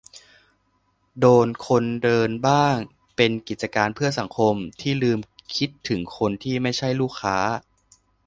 โดนคนเดินบ้าง เป็น "กิจการเพื่อสังคม" ที่ลืมคิดถึงคนที่ไม่ใช่ลูกค้า